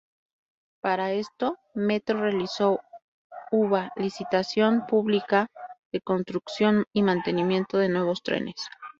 Para esto Metro realizó uba licitación pública de construcción y mantenimiento de nuevos trenes.